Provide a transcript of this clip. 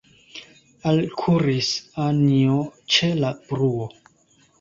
Alkuris Anjo ĉe la bruo.